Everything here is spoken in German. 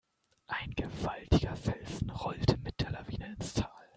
Ein gewaltiger Felsen rollte mit der Lawine ins Tal.